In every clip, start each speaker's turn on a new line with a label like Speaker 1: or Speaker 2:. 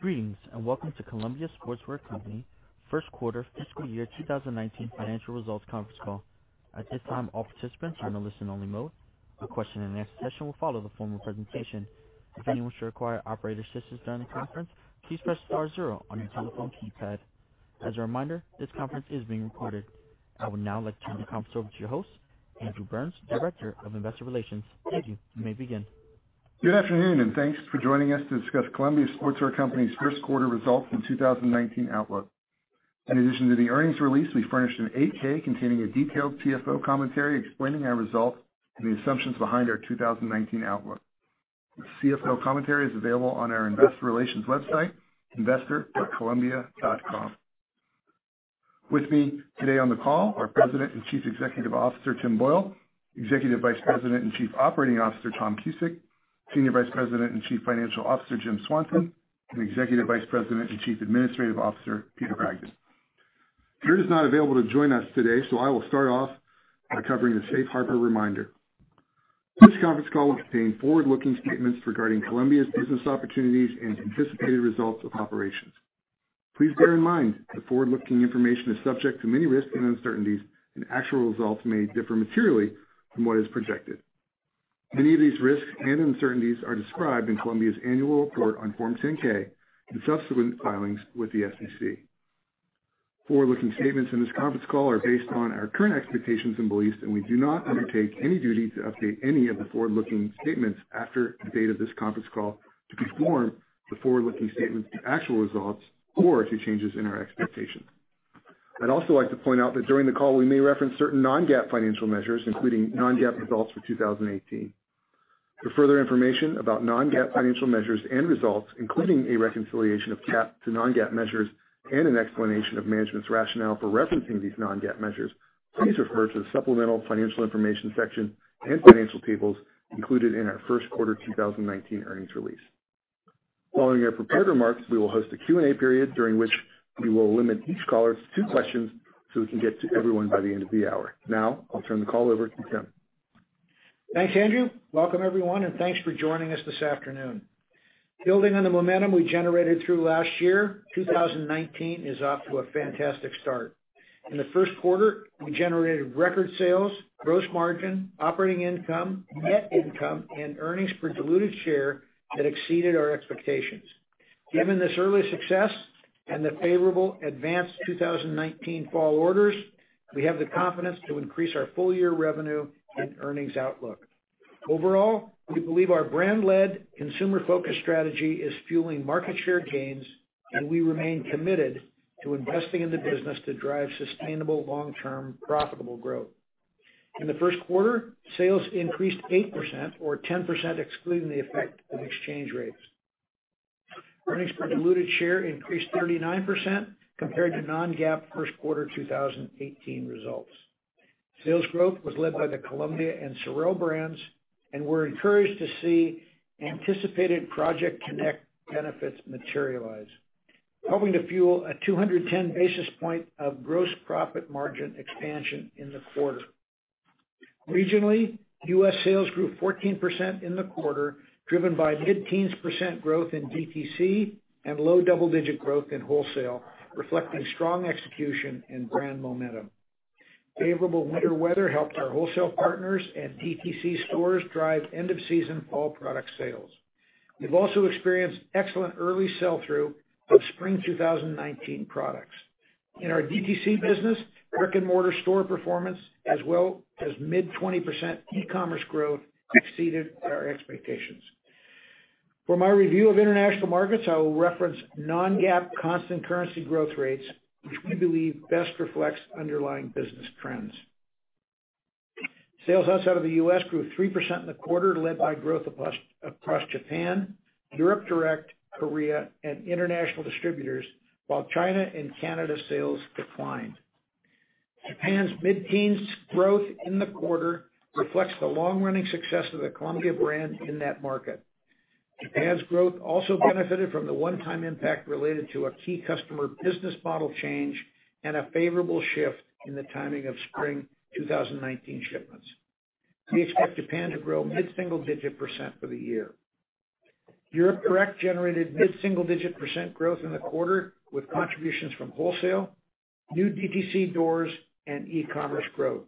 Speaker 1: Greetings. Welcome to Columbia Sportswear Company first quarter fiscal year 2019 financial results conference call. At this time, all participants are in a listen-only mode. A question-and-answer session will follow the formal presentation. If anyone should require operator assistance during the conference, please press star zero on your telephone keypad. As a reminder, this conference is being recorded. I would now like to turn the conference over to your host, Andrew Burns, Director of Investor Relations. Thank you. You may begin.
Speaker 2: Good afternoon. Thanks for joining us to discuss Columbia Sportswear Company's first quarter results and 2019 outlook. In addition to the earnings release, we furnished an 8-K containing a detailed CFO commentary explaining our results and the assumptions behind our 2019 outlook. The CFO commentary is available on our investor relations website, investor.columbia.com. With me today on the call are President and Chief Executive Officer, Tim Boyle, Executive Vice President and Chief Operating Officer, Tom Cusick, Senior Vice President and Chief Financial Officer, Jim Swanson, and Executive Vice President and Chief Administrative Officer, Peter Bragdon. Peter is not available to join us today. I will start off by covering the safe harbor reminder. This conference call will contain forward-looking statements regarding Columbia's business opportunities and anticipated results of operations. Please bear in mind that forward-looking information is subject to many risks and uncertainties. Actual results may differ materially from what is projected. Many of these risks and uncertainties are described in Columbia's annual report on Form 10-K and subsequent filings with the SEC. Forward-looking statements in this conference call are based on our current expectations and beliefs. We do not undertake any duty to update any of the forward-looking statements after the date of this conference call to conform the forward-looking statements to actual results or to changes in our expectations. I'd also like to point out that during the call, we may reference certain non-GAAP financial measures, including non-GAAP results for 2018. For further information about non-GAAP financial measures and results, including a reconciliation of GAAP to non-GAAP measures and an explanation of management's rationale for referencing these non-GAAP measures, please refer to the Supplemental Financial Information section and financial tables included in our first quarter 2019 earnings release. Following our prepared remarks, we will host a Q&A period during which we will limit each caller to two questions so we can get to everyone by the end of the hour. I'll turn the call over to Tim.
Speaker 3: Thanks, Andrew. Welcome everyone, and thanks for joining us this afternoon. Building on the momentum we generated through last year, 2019 is off to a fantastic start. In the first quarter, we generated record sales, gross margin, operating income, net income and earnings per diluted share that exceeded our expectations. Given this early success and the favorable advanced 2019 fall orders, we have the confidence to increase our full-year revenue and earnings outlook. Overall, we believe our brand-led, consumer-focused strategy is fueling market share gains, and we remain committed to investing in the business to drive sustainable, long-term profitable growth. In the first quarter, sales increased 8%, or 10% excluding the effect of exchange rates. Earnings per diluted share increased 39% compared to non-GAAP first quarter 2018 results. Sales growth was led by the Columbia and SOREL brands. We're encouraged to see anticipated Project CONNECT benefits materialize, helping to fuel a 210 basis point of gross profit margin expansion in the quarter. Regionally, U.S. sales grew 14% in the quarter, driven by mid-teens percent growth in DTC and low double-digit growth in wholesale, reflecting strong execution and brand momentum. Favorable winter weather helped our wholesale partners and DTC stores drive end-of-season fall product sales. We've also experienced excellent early sell-through of spring 2019 products. In our DTC business, brick-and-mortar store performance as well as mid-20% e-commerce growth exceeded our expectations. For my review of international markets, I will reference non-GAAP constant currency growth rates, which we believe best reflects underlying business trends. Sales outside of the U.S. grew 3% in the quarter, led by growth across Japan, Europe Direct, Korea, and international distributors, while China and Canada sales declined. Japan's mid-teens growth in the quarter reflects the long-running success of the Columbia brand in that market. Japan's growth also benefited from the one-time impact related to a key customer business model change and a favorable shift in the timing of spring 2019 shipments. We expect Japan to grow mid-single digit percent for the year. Europe Direct generated mid-single digit percent growth in the quarter, with contributions from wholesale, new DTC doors, and e-commerce growth.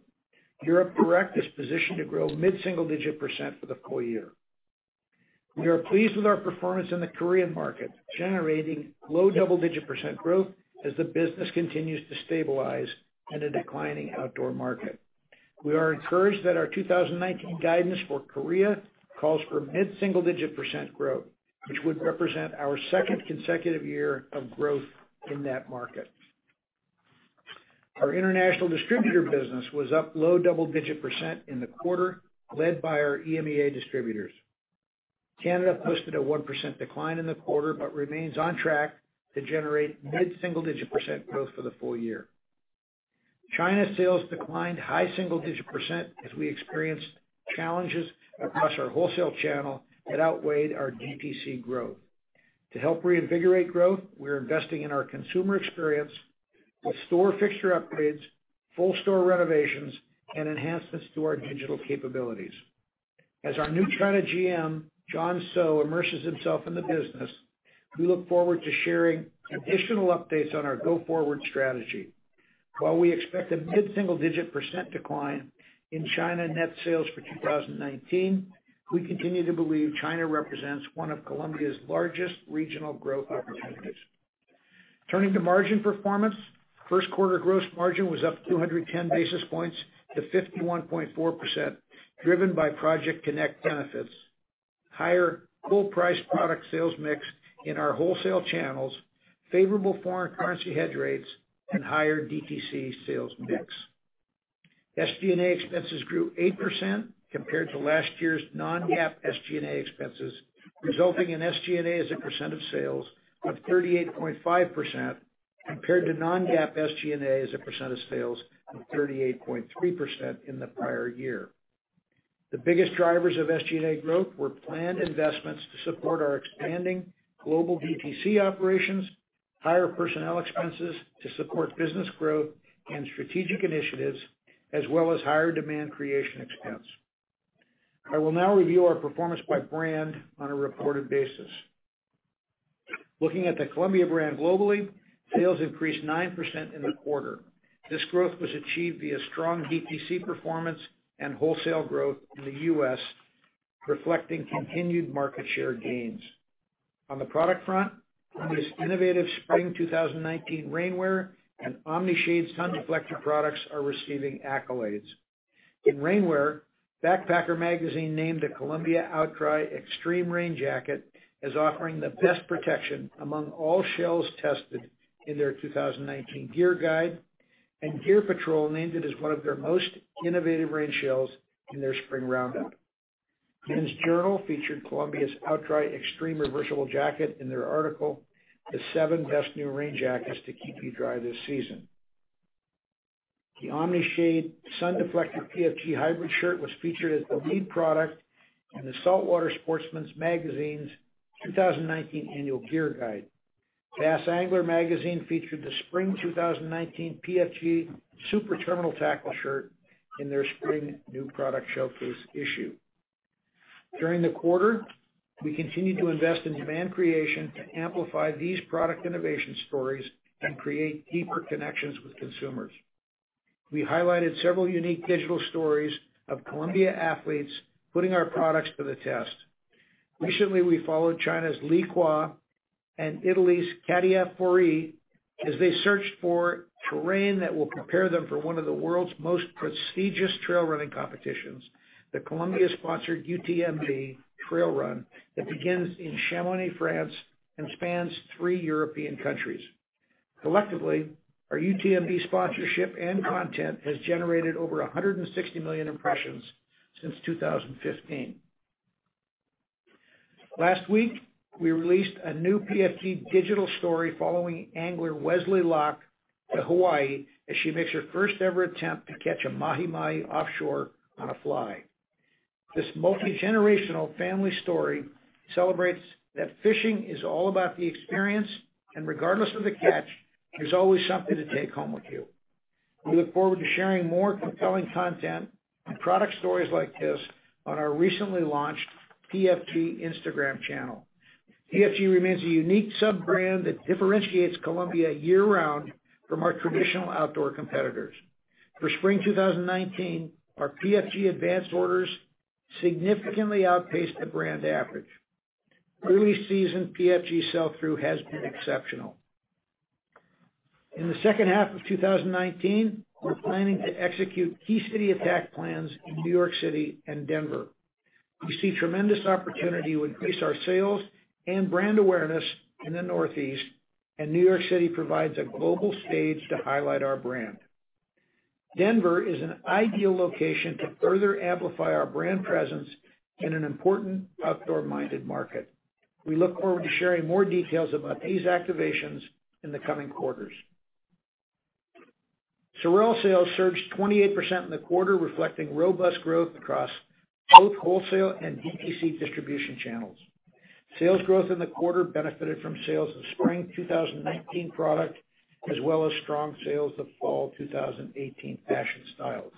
Speaker 3: Europe Direct is positioned to grow mid-single digit percent for the full year. We are pleased with our performance in the Korean market, generating low double-digit percent growth as the business continues to stabilize in a declining outdoor market. We are encouraged that our 2019 guidance for Korea calls for mid-single digit percent growth, which would represent our second consecutive year of growth in that market. Our international distributor business was up low double-digit percent in the quarter, led by our EMEA distributors. Canada posted a 1% decline in the quarter but remains on track to generate mid-single digit percent growth for the full year. China sales declined high single digit percent as we experienced challenges across our wholesale channel that outweighed our DTC growth. To help reinvigorate growth, we're investing in our consumer experience with store fixture upgrades, full store renovations, and enhancements to our digital capabilities. As our new China GM, John Soh, immerses himself in the business, we look forward to sharing additional updates on our go-forward strategy. While we expect a mid-single digit % decline in China net sales for 2019, we continue to believe Columbia's represents one of Columbia's largest regional growth opportunities. Turning to margin performance, first quarter gross margin was up 210 basis points to 51.4%, driven by Project CONNECT benefits, higher full price product sales mix in our wholesale channels, favorable foreign currency hedge rates, and higher DTC sales mix. SG&A expenses grew 8% compared to last year's non-GAAP SG&A expenses, resulting in SG&A as a % of sales of 38.5% compared to non-GAAP SG&A as a % of sales of 38.3% in the prior year. The biggest drivers of SG&A growth were planned investments to support our expanding global DTC operations, higher personnel expenses to support business growth and strategic initiatives, as well as higher demand creation expense. I will now review our performance by brand on a reported basis. Looking at the Columbia brand globally, sales increased 9% in the quarter. This growth was achieved via strong DTC performance and wholesale growth in the U.S., reflecting continued market share gains. On the product front, this innovative spring 2019 rainwear and Omni-Shade sun reflective products are receiving accolades. In rainwear, "Backpacker" magazine named the Columbia OutDry Extreme Rain Jacket as offering the best protection among all shells tested in their 2019 gear guide, and Gear Patrol named it as one of their most innovative rain shells in their spring roundup. "Men's Journal" featured Columbia's OutDry Extreme reversible jacket in their article, "The Seven Best New Rain Jackets to Keep You Dry This Season." The Omni-Shade sun reflective PFG hybrid shirt was featured as the lead product in the "Salt Water Sportsman" magazine's 2019 annual gear guide. Bass Angler" magazine featured the spring 2019 PFG Super Terminal Tackle shirt in their spring new product showcase issue. During the quarter, we continued to invest in demand creation to amplify these product innovation stories and create deeper connections with consumers. We highlighted several unique digital stories of Columbia athletes putting our products to the test. Recently, we followed China's Li Kuo and Italy's Katia Fori as they searched for terrain that will prepare them for one of the world's most prestigious trail running competitions, the Columbia-sponsored UTMB trail run that begins in Chamonix, France, and spans three European countries. Collectively, our UTMB sponsorship and content has generated over 160 million impressions since 2015. Last week, we released a new PFG digital story following angler Wesley Locke to Hawaii as she makes her first ever attempt to catch a mahi mahi offshore on a fly. This multi-generational family story celebrates that fishing is all about the experience, and regardless of the catch, there's always something to take home with you. We look forward to sharing more compelling content and product stories like this on our recently launched PFG Instagram channel. PFG remains a unique sub-brand that differentiates Columbia year-round from our traditional outdoor competitors. For spring 2019, our PFG advanced orders significantly outpaced the brand average. Early season PFG sell-through has been exceptional. In the second half of 2019, we're planning to execute key city attack plans in New York City and Denver. We see tremendous opportunity to increase our sales and brand awareness in the Northeast, and New York City provides a global stage to highlight our brand. Denver is an ideal location to further amplify our brand presence in an important outdoor-minded market. We look forward to sharing more details about these activations in the coming quarters. SOREL sales surged 28% in the quarter, reflecting robust growth across both wholesale and DTC distribution channels. Sales growth in the quarter benefited from sales of spring 2019 product, as well as strong sales of fall 2018 fashion styles.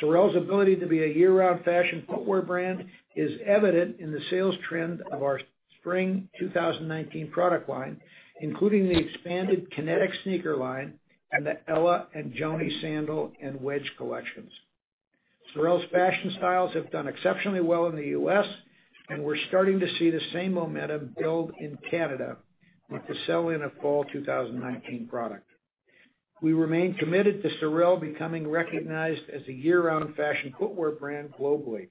Speaker 3: SOREL's ability to be a year-round fashion footwear brand is evident in the sales trend of our spring 2019 product line, including the expanded KINETIC sneaker line and the Ella and Joanie sandal and wedge collections. SOREL's fashion styles have done exceptionally well in the U.S., and we're starting to see the same momentum build in Canada with the sell-in of fall 2019 product. We remain committed to SOREL becoming recognized as a year-round fashion footwear brand globally.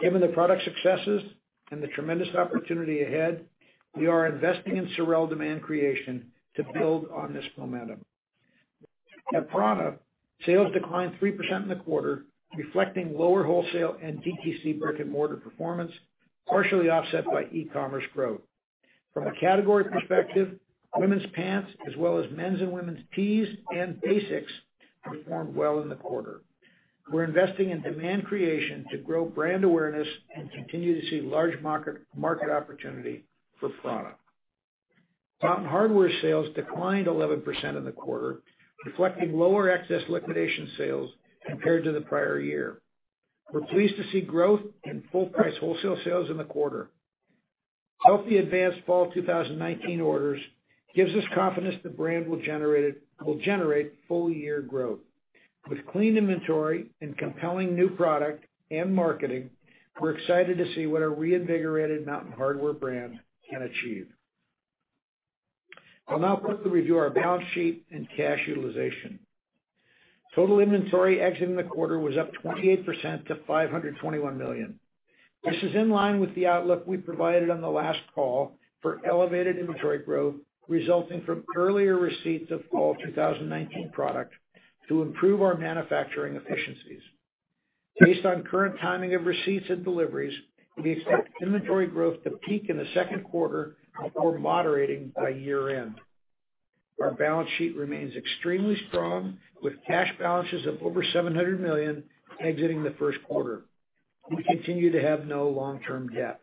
Speaker 3: Given the product successes and the tremendous opportunity ahead, we are investing in SOREL demand creation to build on this momentum. At prAna, sales declined 3% in the quarter, reflecting lower wholesale and DTC brick and mortar performance, partially offset by e-commerce growth. From a category perspective, women's pants as well as men's and women's tees and basics performed well in the quarter. We're investing in demand creation to grow brand awareness and continue to see large market opportunity for prAna. Mountain Hardwear sales declined 11% in the quarter, reflecting lower excess liquidation sales compared to the prior year. We're pleased to see growth in full-price wholesale sales in the quarter. Healthy advanced fall 2019 orders gives us confidence the brand will generate full-year growth. With clean inventory and compelling new product and marketing, we're excited to see what our reinvigorated Mountain Hardwear brand can achieve. I'll now quickly review our balance sheet and cash utilization. Total inventory exiting the quarter was up 28% to $521 million. This is in line with the outlook we provided on the last call for elevated inventory growth resulting from earlier receipts of fall 2019 product to improve our manufacturing efficiencies. Based on current timing of receipts and deliveries, we expect inventory growth to peak in the second quarter before moderating by year-end. Our balance sheet remains extremely strong with cash balances of over $700 million exiting the first quarter. We continue to have no long-term debt.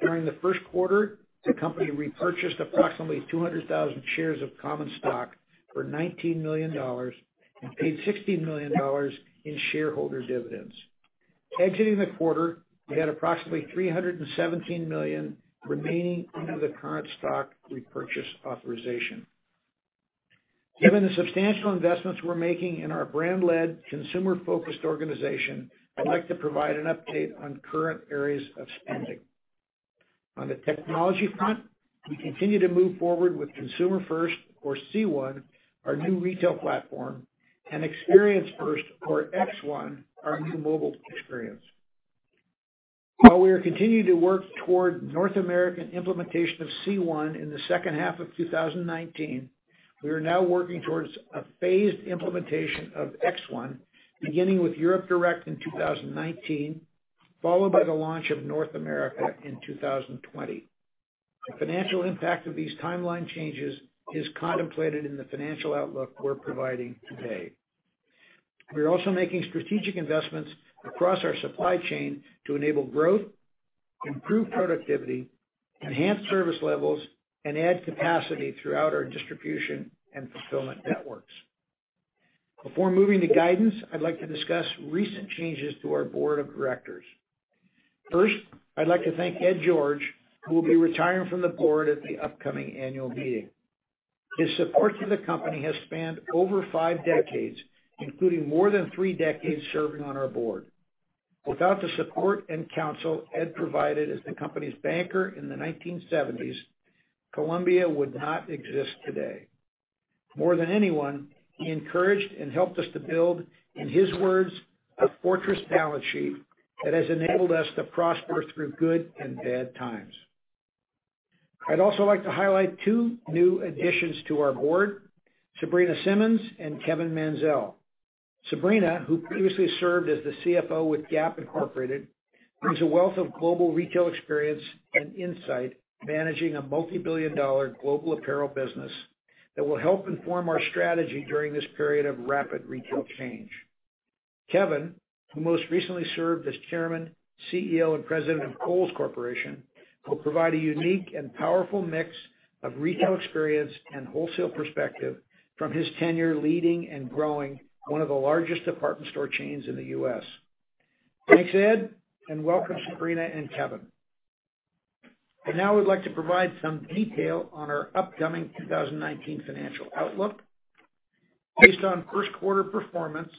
Speaker 3: During the first quarter, the company repurchased approximately 200,000 shares of common stock for $19 million and paid $16 million in shareholder dividends. Exiting the quarter, we had approximately $317 million remaining under the current stock repurchase authorization. Given the substantial investments we're making in our brand-led, consumer-focused organization, I'd like to provide an update on current areas of spending. On the technology front, we continue to move forward with Consumer First, or C1, our new retail platform, and Experience First, or X1, our new mobile experience. While we are continuing to work toward North American implementation of C1 in the second half of 2019, we are now working towards a phased implementation of X1, beginning with Europe Direct in 2019, followed by the launch of North America in 2020. The financial impact of these timeline changes is contemplated in the financial outlook we're providing today. We are also making strategic investments across our supply chain to enable growth, improve productivity, enhance service levels, and add capacity throughout our distribution and fulfillment networks. Before moving to guidance, I'd like to discuss recent changes to our board of directors. First, I'd like to thank Ed George, who will be retiring from the board at the upcoming annual meeting. His support to the company has spanned over five decades, including more than three decades serving on our board. Without the support and counsel Ed provided as the company's banker in the 1970s, Columbia would not exist today. More than anyone, he encouraged and helped us to build, in his words, a fortress balance sheet that has enabled us to prosper through good and bad times. I'd also like to highlight two new additions to our board, Sabrina Simmons and Kevin Mansell. Sabrina, who previously served as the CFO with Gap Incorporated, brings a wealth of global retail experience and insight managing a multibillion-dollar global apparel business that will help inform our strategy during this period of rapid retail change. Kevin, who most recently served as chairman, CEO, and president of Kohl's Corporation, will provide a unique and powerful mix of retail experience and wholesale perspective from his tenure leading and growing one of the largest department store chains in the U.S. Thanks, Ed, and welcome Sabrina and Kevin. I now would like to provide some detail on our upcoming 2019 financial outlook. Based on first quarter performance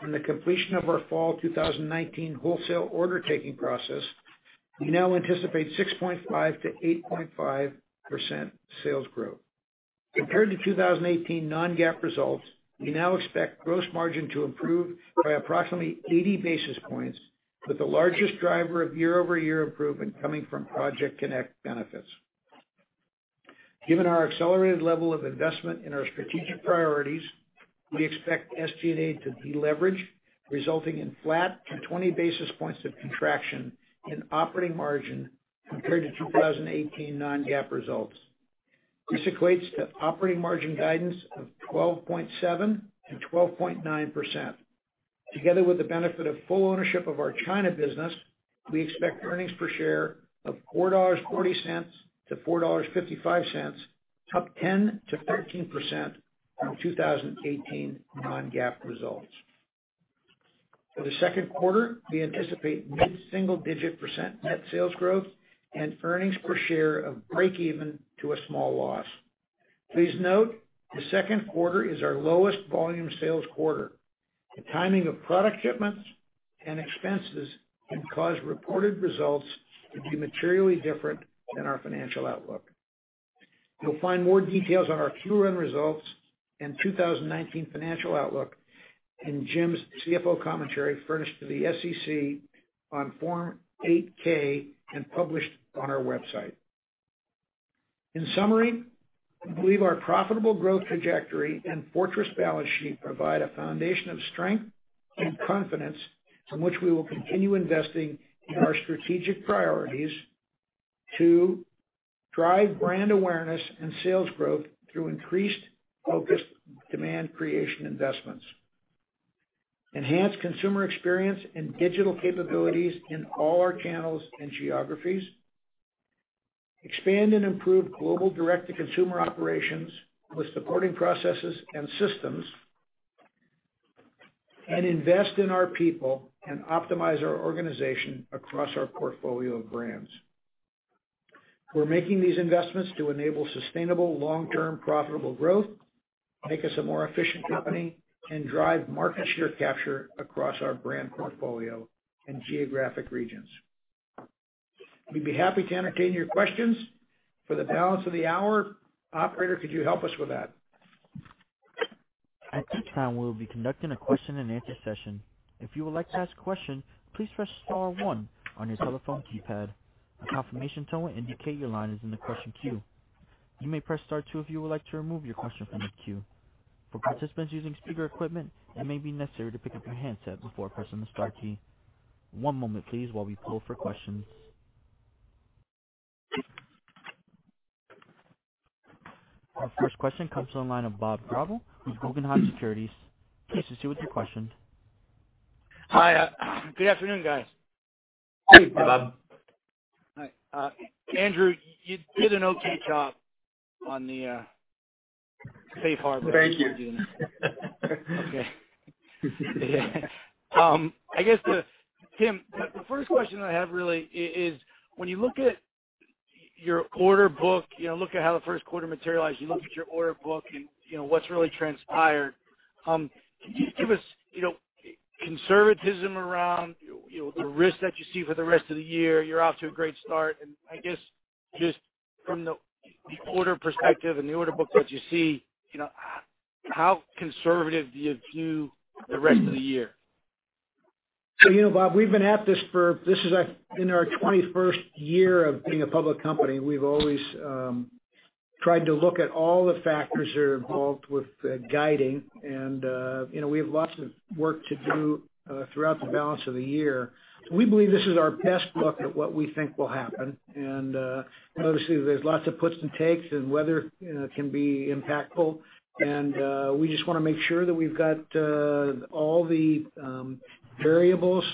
Speaker 3: and the completion of our fall 2019 wholesale order-taking process, we now anticipate 6.5%-8.5% sales growth. Compared to 2018 non-GAAP results, we now expect gross margin to improve by approximately 80 basis points, with the largest driver of year-over-year improvement coming from Project CONNECT benefits. Given our accelerated level of investment in our strategic priorities, we expect SG&A to deleverage, resulting in flat to 20 basis points of contraction in operating margin compared to 2018 non-GAAP results. This equates to operating margin guidance of 12.7% and 12.9%. Together with the benefit of full ownership of our China business, we expect earnings per share of $4.40-$4.55, up 10%-13% from 2018 non-GAAP results. For the second quarter, we anticipate mid-single-digit percent net sales growth and earnings per share of breakeven to a small loss. Please note, the second quarter is our lowest volume sales quarter. The timing of product shipments and expenses can cause reported results to be materially different than our financial outlook. You'll find more details on our Q1 results and 2019 financial outlook in Jim's CFO commentary furnished to the SEC on Form 8-K and published on our website. In summary, we believe our profitable growth trajectory and fortress balance sheet provide a foundation of strength and confidence from which we will continue investing in our strategic priorities to drive brand awareness and sales growth through increased focused demand creation investments. Enhance consumer experience and digital capabilities in all our channels and geographies. Expand and improve global direct-to-consumer operations with supporting processes and systems. Invest in our people and optimize our organization across our portfolio of brands. We're making these investments to enable sustainable, long-term profitable growth, make us a more efficient company, and drive market share capture across our brand portfolio and geographic regions. We'd be happy to entertain your questions for the balance of the hour. Operator, could you help us with that?
Speaker 1: At this time, we will be conducting a question-and-answer session. If you would like to ask a question, please press star one on your telephone keypad. A confirmation tone will indicate your line is in the question queue. You may press star two if you would like to remove your question from the queue. For participants using speaker equipment, it may be necessary to pick up your handset before pressing the star key. One moment, please, while we poll for questions. Our first question comes on the line of Bob Drbul with Guggenheim Securities. Please proceed with your question.
Speaker 4: Hi. Good afternoon, guys.
Speaker 3: Hi, Bob.
Speaker 4: Hi. Andrew, you did an okay job on the safe harbor.
Speaker 3: Thank you.
Speaker 4: Okay. I guess, Tim, the first question I have really is, when you look at your order book, look at how the first quarter materialized, you look at your order book and what's really transpired. Can you give us conservatism around the risk that you see for the rest of the year? You're off to a great start, and I guess just from the order perspective and the order book that you see, how conservative do you view the rest of the year?
Speaker 3: Bob, we've been at this for This is in our 21st year of being a public company. We've always tried to look at all the factors that are involved with guiding and we have lots of work to do throughout the balance of the year. We believe this is our best look at what we think will happen, and obviously, there's lots of puts and takes, and weather can be impactful. We just want to make sure that we've got all the variables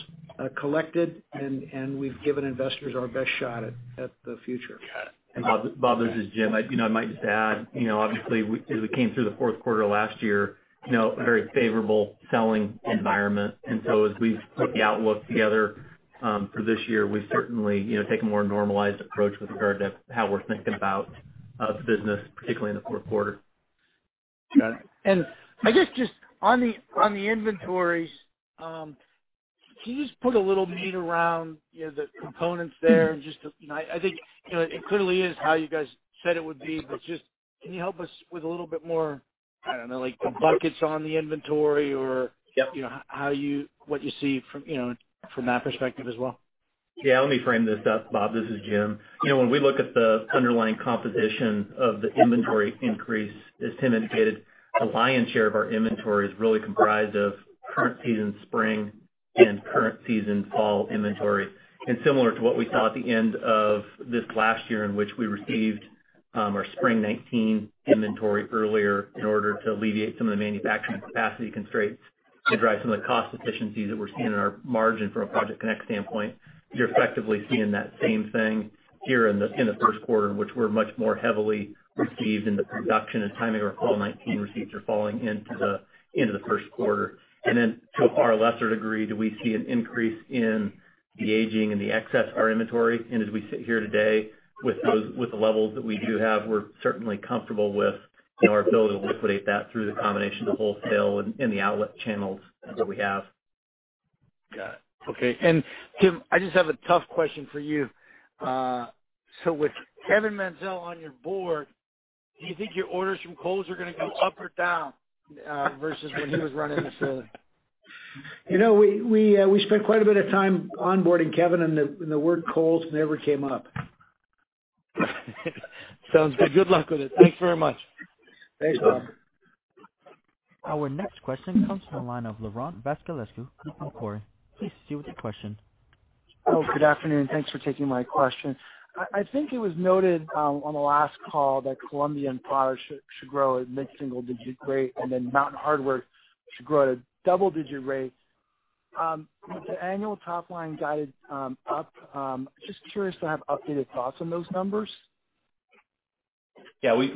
Speaker 3: collected, and we've given investors our best shot at the future.
Speaker 4: Got it.
Speaker 5: Bob Drbul, this is Jim Swanson. I might just add, obviously, as we came through the fourth quarter last year, a very favorable selling environment. As we've put the outlook together for this year, we've certainly taken a more normalized approach with regard to how we're thinking about the business, particularly in the fourth quarter.
Speaker 4: Got it. I guess just on the inventories, can you just put a little meat around the components there and just to I think it clearly is how you guys said it would be, but just can you help us with a little bit more, I don't know, like the buckets on the inventory.
Speaker 5: Yep.
Speaker 4: What you see from that perspective as well?
Speaker 5: Yeah. Let me frame this up, Bob Drbul. This is Jim Swanson. When we look at the underlying composition of the inventory increase, as Tim Boyle indicated, the lion's share of our inventory is really comprised of current season spring and current season fall inventory. Similar to what we saw at the end of this last year in which we received our spring 2019 inventory earlier in order to alleviate some of the manufacturing capacity constraints to drive some of the cost efficiencies that we're seeing in our margin from a Project CONNECT standpoint. You're effectively seeing that same thing here in the first quarter, in which we're much more heavily received in the production and timing of our fall 2019 receipts are falling into the first quarter. Then to a far lesser degree, do we see an increase in the aging and the excess our inventory? As we sit here today with the levels that we do have, we're certainly comfortable with our ability to liquidate that through the combination of wholesale and the outlet channels that we have.
Speaker 4: Got it. Okay. Tim, I just have a tough question for you. So with Kevin Mansell on your board, do you think your orders from Kohl's are gonna go up or down versus when he was running the sale?
Speaker 3: We spent quite a bit of time onboarding Kevin, and the word Kohl's never came up.
Speaker 4: Sounds good. Good luck with it. Thanks very much.
Speaker 3: Thanks, Bob.
Speaker 1: Our next question comes from the line of Laurent Vasilescu, Macquarie. Please proceed with your question.
Speaker 6: Good afternoon. Thanks for taking my question. I think it was noted on the last call that Columbia and prAna should grow at mid-single digit rate, then Mountain Hardwear should grow at a double-digit rate. With the annual top line guided up, just curious to have updated thoughts on those numbers.
Speaker 5: Yeah. We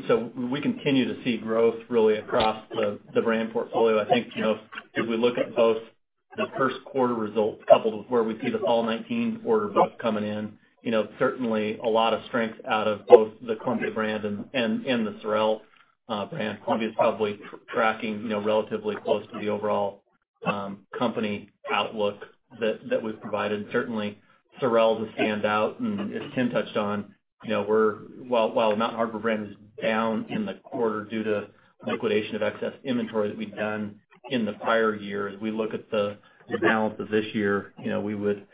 Speaker 5: continue to see growth really across the brand portfolio. I think, as we look at both the first quarter results coupled with where we see the fall 2019 order book coming in, certainly a lot of strength out of both the Columbia brand and the SOREL brand. Columbia's probably tracking relatively close to the overall company outlook that we've provided. Certainly, SOREL is a standout, and as Tim touched on, while Mountain Hardwear brand is down in the quarter due to liquidation of excess inventory that we'd done in the prior year, as we look at the balance of this year, we would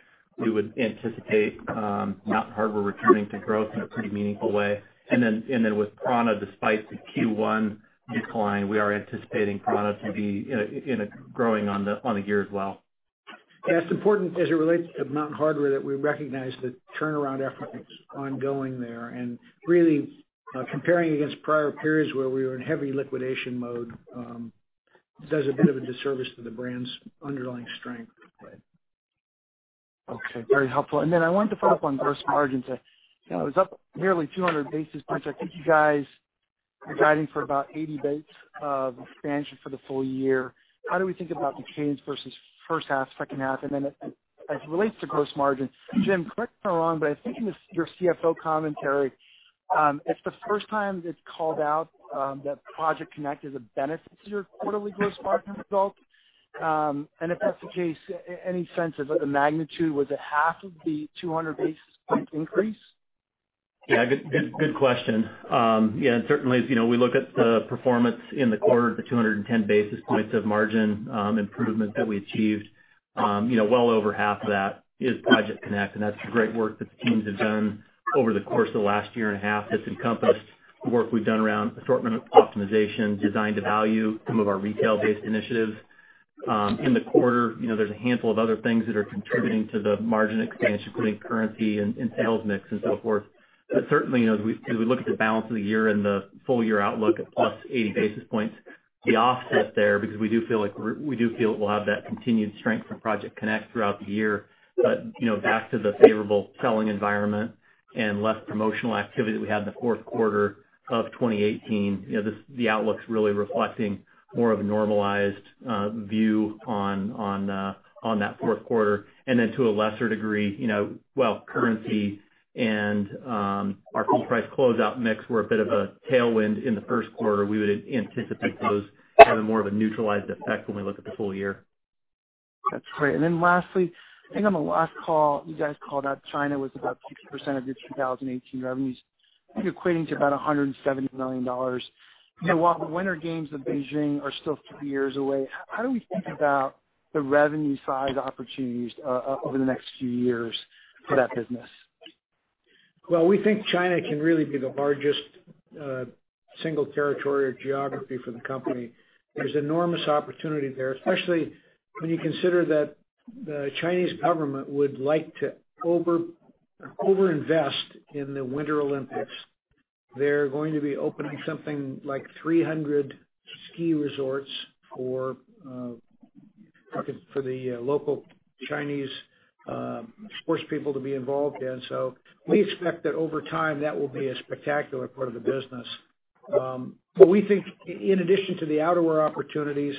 Speaker 5: anticipate Mountain Hardwear returning to growth in a pretty meaningful way. With prAna, despite the Q1 decline, we are anticipating prAna to be growing on the year as well.
Speaker 3: As important as it relates to Mountain Hardwear, that we recognize the turnaround effort is ongoing there. Really comparing against prior periods where we were in heavy liquidation mode does a bit of a disservice to the brand's underlying strength.
Speaker 6: Okay. Very helpful. Then I wanted to follow up on gross margins. It was up nearly 200 basis points. I think you guys are guiding for about 80 basis points of expansion for the full year. How do we think about the change versus first half, second half? Then as it relates to gross margin, Jim, correct me if I'm wrong, but I think in your CFO commentary, it's the first time that it's called out that Project CONNECT is a benefit to your quarterly gross margin result. If that's the case, any sense of the magnitude? Was it half of the 200 basis point increase?
Speaker 5: Good question. Certainly, as we look at the performance in the quarter, the 210 basis points of margin improvement that we achieved, well over half of that is Project CONNECT, that's the great work that the teams have done over the course of the last year and a half. That's encompassed the work we've done around assortment optimization, design to value, some of our retail-based initiatives. In the quarter, there's a handful of other things that are contributing to the margin expansion, including currency and sales mix and so forth. Certainly, as we look at the balance of the year and the full-year outlook of +80 basis points, the offset there, because we do feel like we'll have that continued strength from Project CONNECT throughout the year. Back to the favorable selling environment and less promotional activity that we had in the fourth quarter of 2018, the outlook's really reflecting more of a normalized view on that fourth quarter. Then to a lesser degree, currency and our full price closeout mix were a bit of a tailwind in the first quarter. We would anticipate those having more of a neutralized effect when we look at the full year.
Speaker 6: Lastly, I think on the last call, you guys called out China was about 60% of your 2018 revenues, I think equating to about $170 million. While the Winter Games in Beijing are still two years away, how do we think about the revenue side opportunities over the next few years for that business?
Speaker 3: We think China can really be the largest single territory or geography for the company. There's enormous opportunity there, especially when you consider that the Chinese government would like to over-invest in the Winter Olympics. They're going to be opening something like 300 ski resorts for the local Chinese sports people to be involved in. We expect that over time, that will be a spectacular part of the business. We think in addition to the outerwear opportunities,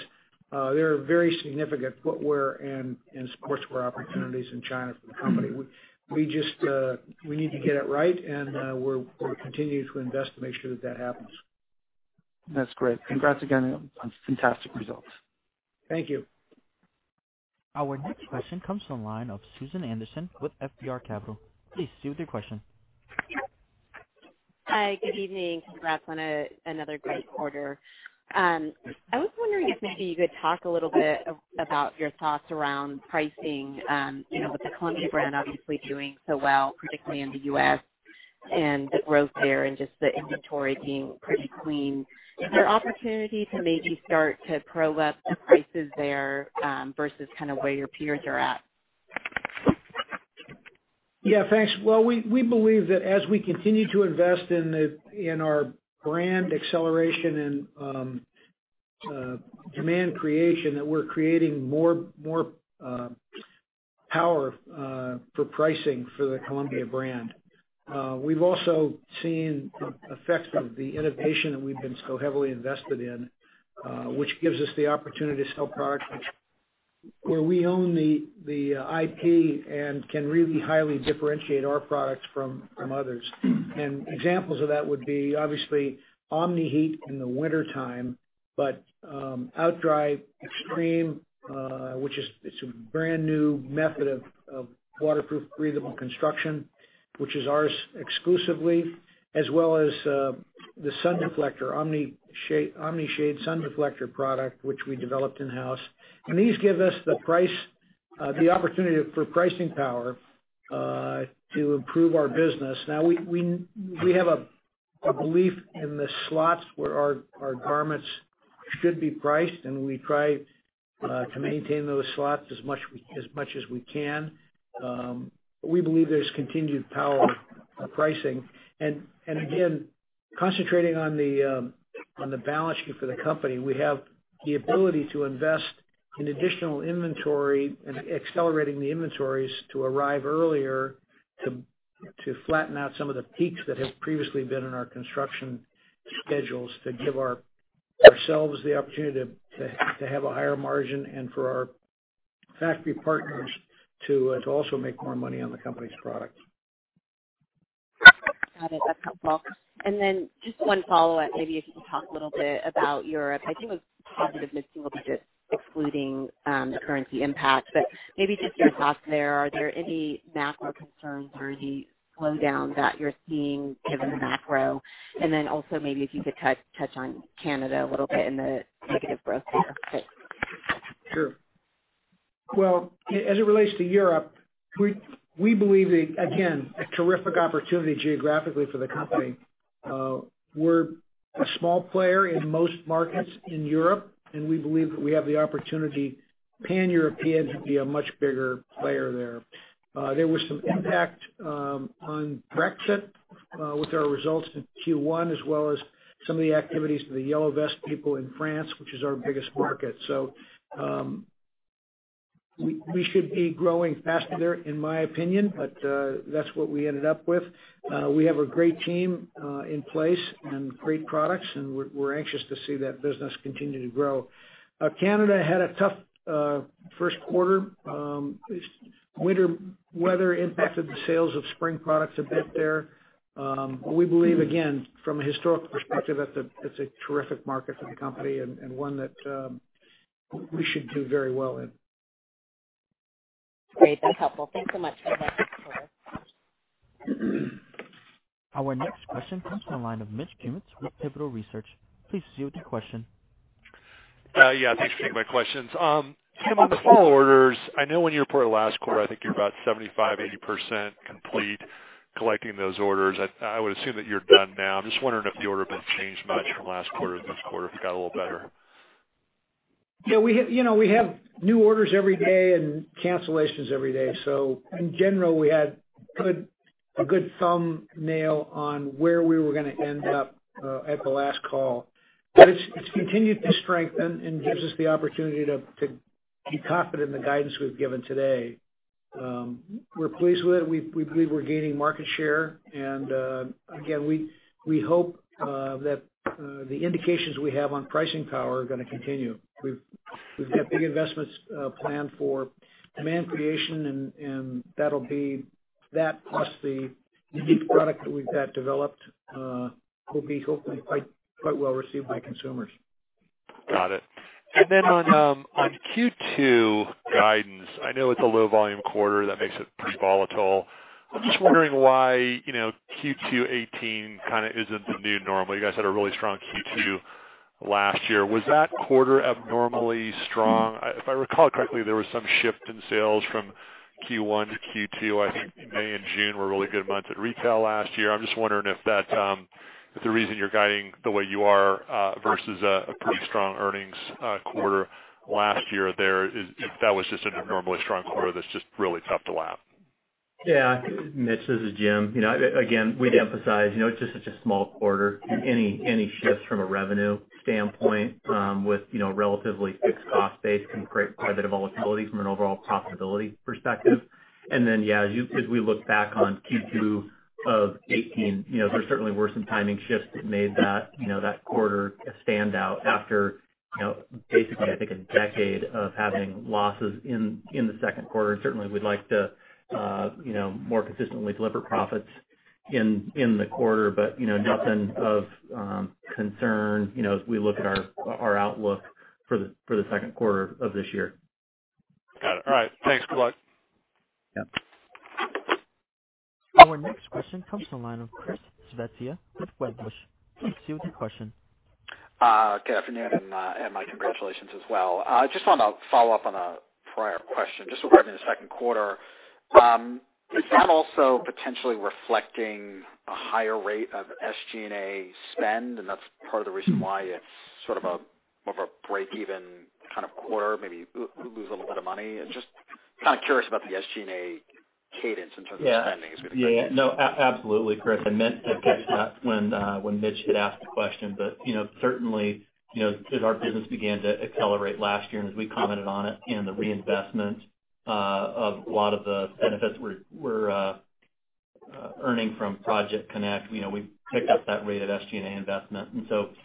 Speaker 3: there are very significant footwear and sportswear opportunities in China for the company. We need to get it right, and we're continuing to invest to make sure that that happens.
Speaker 6: That's great. Congrats again on fantastic results.
Speaker 3: Thank you.
Speaker 1: Our next question comes from the line of Susan Anderson with FBR Capital. Please, Sue, with your question.
Speaker 7: Hi, good evening. Congrats on another great quarter. I was wondering if maybe you could talk a little bit about your thoughts around pricing, with the Columbia brand obviously doing so well, particularly in the U.S., and the growth there and just the inventory being pretty clean. Is there opportunity to maybe start to grow up the prices there, versus where your peers are at?
Speaker 3: Yeah, thanks. Well, we believe that as we continue to invest in our brand acceleration and demand creation, that we're creating more power for pricing for the Columbia brand. We've also seen the effects of the innovation that we've been so heavily invested in, which gives us the opportunity to sell products where we own the IP and can really highly differentiate our products from others. Examples of that would be obviously Omni-Heat in the wintertime, but OutDry Extreme, which is a brand new method of waterproof breathable construction, which is ours exclusively, as well as the sun reflector, Omni-Shade Sun Deflector product, which we developed in-house. These give us the opportunity for pricing power to improve our business. Now, we have a belief in the slots where our garments should be priced, and we try to maintain those slots as much as we can. We believe there's continued power of pricing. Again, concentrating on the balance sheet for the company, we have the ability to invest in additional inventory and accelerating the inventories to arrive earlier to flatten out some of the peaks that have previously been in our construction schedules to give ourselves the opportunity to have a higher margin and for our factory partners to also make more money on the company's products.
Speaker 7: Got it. That's helpful. Just one follow-up, maybe if you can talk a little bit about Europe. I think it was positive mixing will be just excluding the currency impact, maybe just your thoughts there. Are there any macro concerns or any slowdown that you're seeing given the macro? Also maybe if you could touch on Canada a little bit and the negative growth there.
Speaker 3: Sure. Well, as it relates to Europe, we believe, again, a terrific opportunity geographically for the company. We're a small player in most markets in Europe, we believe that we have the opportunity pan-European to be a much bigger player there. There was some impact on Brexit with our results in Q1, as well as some of the activities of the Yellow Vest people in France, which is our biggest market. We should be growing faster there, in my opinion, that's what we ended up with. We have a great team in place and great products, we're anxious to see that business continue to grow. Canada had a tough first quarter. Winter weather impacted the sales of spring products a bit there. We believe, again, from a historical perspective, it's a terrific market for the company and one that we should do very well in.
Speaker 7: Great. That's helpful. Thanks so much.
Speaker 1: Our next question comes from the line of Mitch Kummetz with Pivotal Research. Please proceed with your question.
Speaker 8: Yeah, thanks for taking my questions. Tim, on the fall orders, I know when you reported last quarter, I think you were about 75%-80% complete collecting those orders. I would assume that you're done now. I'm just wondering if the order been changed much from last quarter to this quarter, if it got a little better.
Speaker 3: Yeah, we have new orders every day and cancellations every day. In general, we had a good thumbnail on where we were going to end up at the last call. It's continued to strengthen and gives us the opportunity to be confident in the guidance we've given today. We're pleased with it. We believe we're gaining market share, again, we hope that the indications we have on pricing power are going to continue. We've got big investments planned for demand creation, that plus the unique product that we've had developed will be hopefully quite well received by consumers.
Speaker 8: Got it. On Q2 guidance, I know it's a low volume quarter that makes it pretty volatile. I'm just wondering why Q2 2018 kind of isn't the new normal. You guys had a really strong Q2 last year. Was that quarter abnormally strong? If I recall correctly, there was some shift in sales from Q1 to Q2. I think May and June were really good months at retail last year. I'm just wondering if the reason you're guiding the way you are versus a pretty strong earnings quarter last year there, if that was just an abnormally strong quarter that's just really tough to lap.
Speaker 5: Yeah, Mitch, this is Jim. Again, we'd emphasize, it's just such a small quarter. Any shifts from a revenue standpoint with relatively fixed cost base can create quite a bit of volatility from an overall profitability perspective. Yeah, as we look back on Q2 of 2018, there certainly were some timing shifts that made that quarter a standout after basically, I think, a decade of having losses in the second quarter. Certainly, we'd like to more consistently deliver profits in the quarter, nothing of concern as we look at our outlook for the second quarter of this year.
Speaker 8: Got it. All right. Thanks for the luck.
Speaker 5: Yep.
Speaker 1: Our next question comes from the line of Chris Svezia with Wedbush. Please proceed with your question.
Speaker 9: Good afternoon, and my congratulations as well. I just wanted to follow up on a prior question, just regarding the second quarter. Is that also potentially reflecting a higher rate of SG&A spend, and that's part of the reason why it's sort of a break-even kind of quarter, maybe lose a little bit of money? Just kind of curious about the SG&A cadence in terms of spending.
Speaker 5: Yeah. No, absolutely, Chris. I meant to get to that when Mitch had asked the question. Certainly, as our business began to accelerate last year, as we commented on it, the reinvestment of a lot of the benefits we're earning from Project CONNECT, we've picked up that rate of SG&A investment.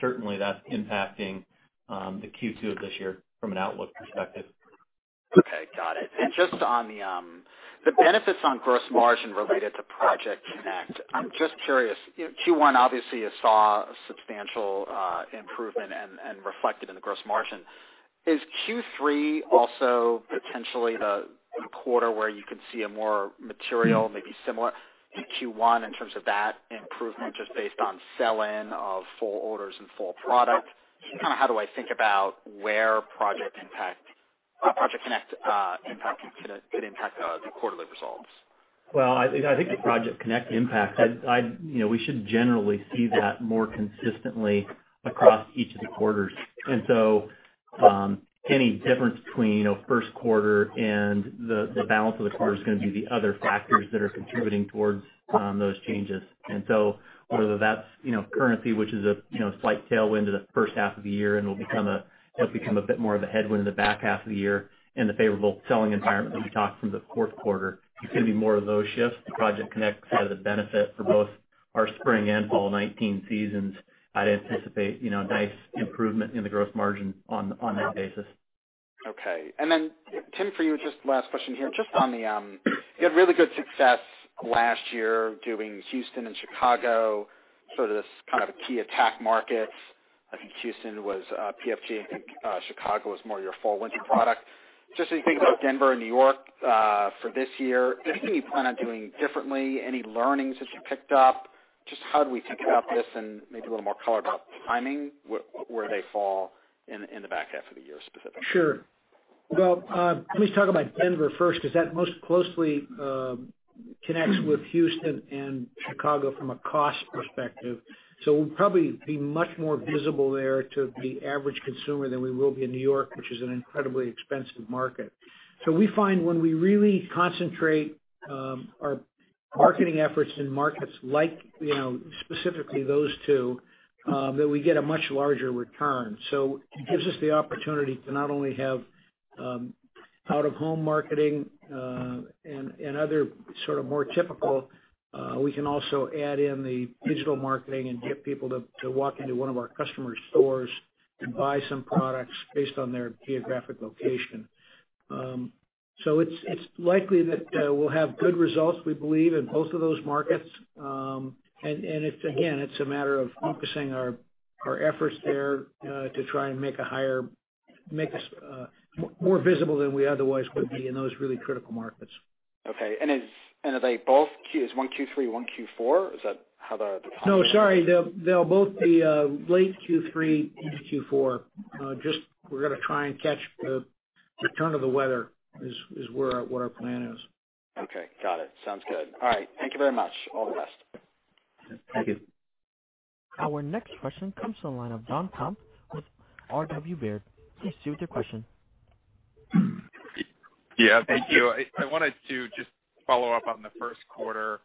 Speaker 5: Certainly, that's impacting the Q2 of this year from an outlook perspective.
Speaker 9: Okay, got it. Just on the benefits on gross margin related to Project CONNECT, I'm just curious. Q1, obviously, you saw a substantial improvement and reflected in the gross margin. Is Q3 also potentially the quarter where you can see a more material, maybe similar to Q1 in terms of that improvement, just based on sell-in of fall orders and fall product? Just kind of how do I think about where Project CONNECT could impact the quarterly results?
Speaker 5: Well, I think the Project CONNECT impact, we should generally see that more consistently across each of the quarters. Any difference between first quarter and the balance of the quarter is going to be the other factors that are contributing towards those changes. Whether that's currency, which is a slight tailwind to the first half of the year and will become a bit more of a headwind in the back half of the year and the favorable selling environment that we talked from the fourth quarter. It's going to be more of those shifts. The Project CONNECT side of the benefit for both our spring and fall 2019 seasons, I'd anticipate a nice improvement in the gross margin on that basis.
Speaker 9: Okay. Then Tim, for you, just last question here. You had really good success last year doing Houston and Chicago, sort of this kind of a key attack market. I think Houston was PFG, I think Chicago was more your fall winter product. Just as you think about Denver and New York for this year, anything you plan on doing differently? Any learnings that you picked up? Just how do we think about this and maybe a little more color about timing, where they fall in the back half of the year, specifically?
Speaker 3: Sure. Well, let me talk about Denver first, because that most closely connects with Houston and Chicago from a cost perspective. We'll probably be much more visible there to the average consumer than we will be in New York, which is an incredibly expensive market. We find when we really concentrate our marketing efforts in markets like, specifically those two, that we get a much larger return. It gives us the opportunity to not only have out-of-home marketing, and other sort of more typical. We can also add in the digital marketing and get people to walk into one of our customer stores and buy some products based on their geographic location. It's likely that we'll have good results, we believe, in both of those markets. Again, it's a matter of focusing our efforts there to try and make us more visible than we otherwise would be in those really critical markets.
Speaker 9: Okay. Are they both is one Q3, one Q4? Is that how?
Speaker 3: No, sorry. They'll both be late Q3 into Q4. Just, we're going to try and catch the turn of the weather is where our plan is.
Speaker 9: Okay, got it. Sounds good. All right. Thank you very much. All the best.
Speaker 3: Thank you.
Speaker 1: Our next question comes from the line of Jonathan Komp with RW Baird. Please proceed with your question.
Speaker 10: Yeah, thank you. I wanted to just follow up on the first quarter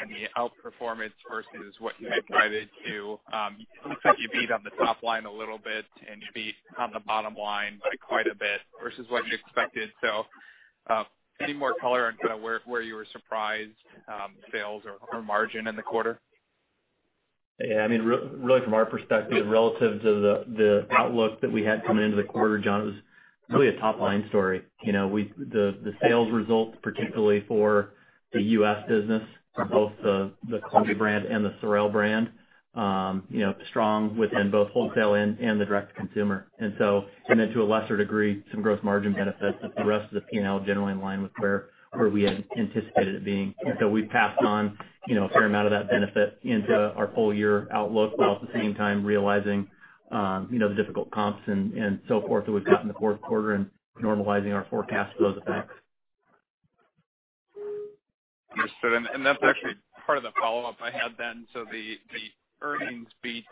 Speaker 10: and the outperformance versus what you had guided to. It looks like you beat on the top line a little bit, and you beat on the bottom line by quite a bit versus what you expected. Any more color on kind of where you were surprised, sales or margin in the quarter?
Speaker 5: Yeah, really from our perspective, relative to the outlook that we had coming into the quarter, John, it was really a top-line story. The sales results, particularly for the U.S. business, for both the Columbia brand and the SOREL brand, strong within both wholesale and the direct-to-consumer. Then to a lesser degree, some gross margin benefits, but the rest of the P&L generally in line with where we had anticipated it being. We passed on a fair amount of that benefit into our full-year outlook, while at the same time realizing the difficult comps and so forth that we've got in the fourth quarter and normalizing our forecast for those effects.
Speaker 10: Understood. That's actually part of the follow-up I had then. The earnings beat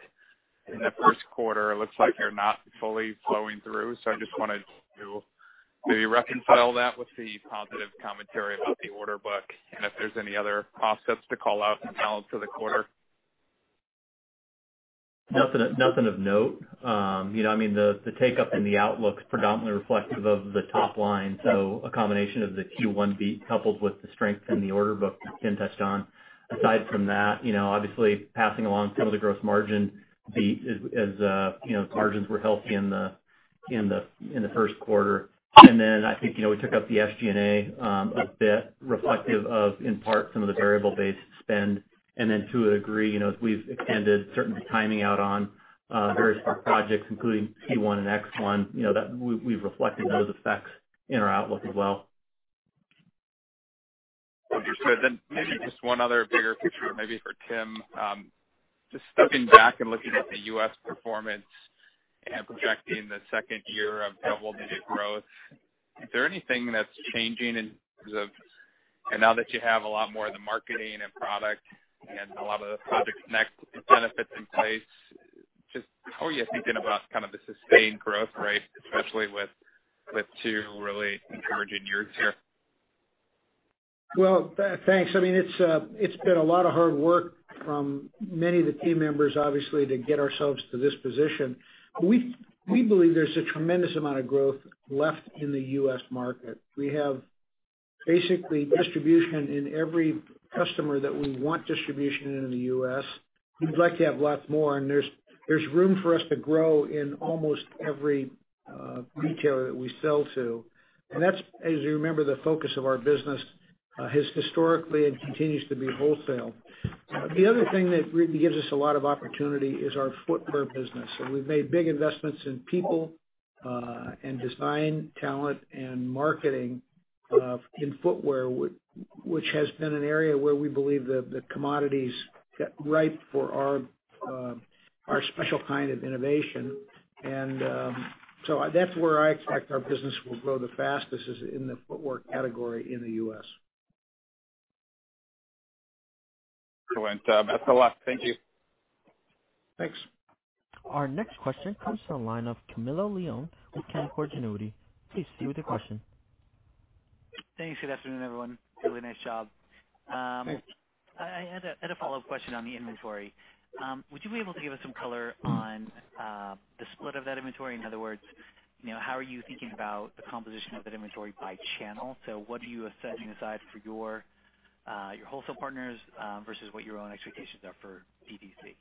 Speaker 10: in the first quarter looks like they're not fully flowing through. I just wanted to maybe reconcile that with the positive commentary about the order book and if there's any other offsets to call out now to the quarter.
Speaker 5: Nothing of note. The take-up in the outlook's predominantly reflective of the top line. A combination of the Q1 beat, coupled with the strength in the order book that Tim touched on. Aside from that, obviously passing along some of the gross margin beat as margins were healthy in the first quarter. Then I think we took up the SG&A a bit reflective of, in part, some of the variable base spend, and then to a degree as we've extended certain timing out on various projects, including C1 and X1, we've reflected those effects in our outlook as well.
Speaker 10: Understood. Maybe just one other bigger picture, maybe for Tim. Just stepping back and looking at the U.S. performance and projecting the second year of double-digit growth, is there anything that's changing in terms of-- and now that you have a lot more of the marketing and product and a lot of the Project CONNECT benefits in place, just how are you thinking about kind of the sustained growth rate, especially with two really encouraging years here?
Speaker 3: Well, thanks. It's been a lot of hard work from many of the team members, obviously, to get ourselves to this position. We believe there's a tremendous amount of growth left in the U.S. market. We have basically distribution in every customer that we want distribution in the U.S. We'd like to have lots more, and there's room for us to grow in almost every retailer that we sell to. That's, as you remember, the focus of our business has historically and continues to be wholesale. The other thing that really gives us a lot of opportunity is our footwear business. We've made big investments in people and design talent and marketing in footwear, which has been an area where we believe the commodity's ripe for our special kind of innovation. That's where I expect our business will grow the fastest is in the footwear category in the U.S.
Speaker 10: Excellent. That's a lot. Thank you.
Speaker 3: Thanks.
Speaker 1: Our next question comes from the line of Camilo Lyon with Canaccord Genuity. Please proceed with your question.
Speaker 11: Thanks. Good afternoon, everyone. Really nice job. I had a follow-up question on the inventory. Would you be able to give us some color on the split of that inventory? In other words, how are you thinking about the composition of that inventory by channel? What are you setting aside for your wholesale partners versus what your own expectations are for DTC?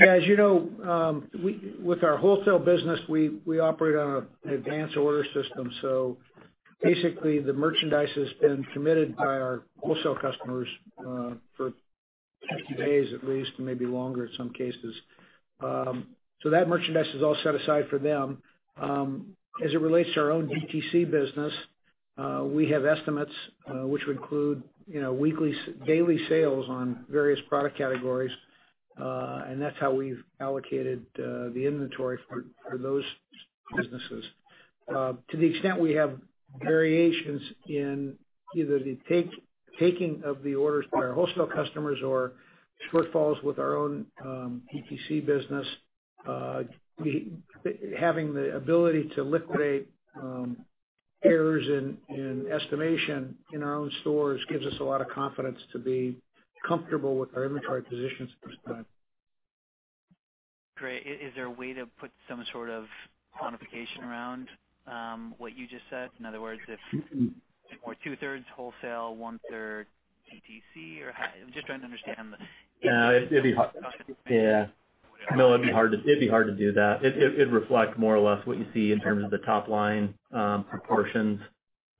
Speaker 3: As you know, with our wholesale business, we operate on an advance order system. Basically, the merchandise has been committed by our wholesale customers for 30 days at least, and maybe longer in some cases. That merchandise is all set aside for them. As it relates to our own DTC business, we have estimates which would include daily sales on various product categories, and that's how we've allocated the inventory for those businesses. To the extent we have variations in either the taking of the orders by our wholesale customers or shortfalls with our own DTC business, having the ability to liquidate errors in estimation in our own stores gives us a lot of confidence to be comfortable with our inventory positions at this time.
Speaker 11: Great. Is there a way to put some sort of quantification around what you just said? In other words, if it were two-thirds wholesale, one-third DTC? I'm just trying to understand.
Speaker 5: No, it'd be hard.
Speaker 11: Got it.
Speaker 5: Yeah. No, it'd be hard to do that. It'd reflect more or less what you see in terms of the top-line proportions,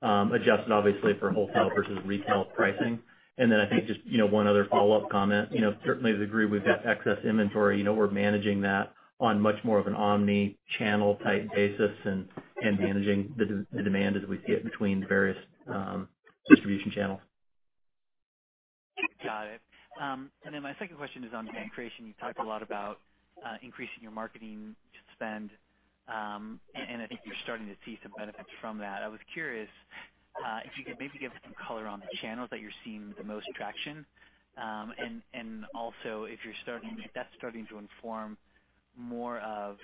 Speaker 5: adjusted obviously for wholesale versus retail pricing. I think just one other follow-up comment. Certainly to the degree we've got excess inventory, we're managing that on much more of an omni-channel type basis and managing the demand as we see it between the various distribution channels.
Speaker 11: Got it. My second question is on brand creation. You talked a lot about increasing your marketing spend, and I think you're starting to see some benefits from that. I was curious if you could maybe give some color on the channels that you're seeing the most traction. Also, if that's starting to inform more of